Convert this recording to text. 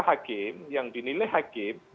hakim yang dinilai hakim